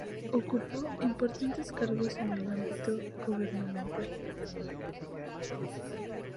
Ocupó importantes cargos en el ámbito gubernamental.